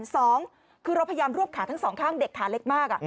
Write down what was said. สองคือเราพยายามรวบขาทั้งสองข้างเด็กขาเล็กมาก